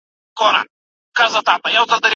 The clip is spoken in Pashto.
موږ بايد سياسي علوم په دقت مطالعه کړو.